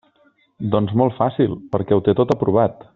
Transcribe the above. Doncs molt fàcil: perquè ho té tot aprovat!